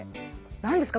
何ですか？